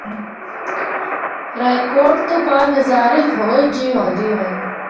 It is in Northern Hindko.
رائے کوٹ تو بعد نظارے ہو جئے ہوندے ہن۔